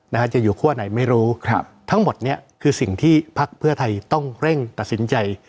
นะฮะจะอยู่คั่วไหนไม่รู้ครับทั้งหมดเนี้ยคือสิ่งที่พักเพื่อไทยต้องเร่งตัดสินใจ